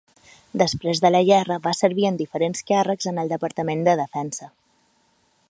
Després de la guerra, va servir en diversos càrrecs en el Departament de Defensa.